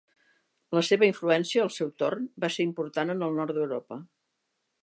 La seva influència, al seu torn, va ser important en el nord d'Europa.